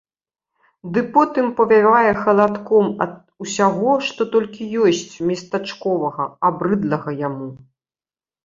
Ды потым павявае халадком ад усяго, што толькі ёсць местачковага, абрыдлага яму.